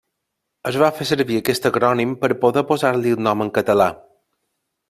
Es va fer servir aquest acrònim per poder posar-li el nom en català.